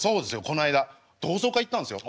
この間同窓会行ったんですよ。